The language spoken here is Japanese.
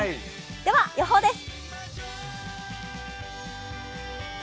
では、予報です。